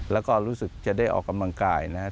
แล้วก็รู้สึกจะได้ออกกำลังกายนะครับ